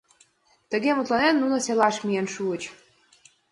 Тыге мутланен, нуно селаш миен шуыч.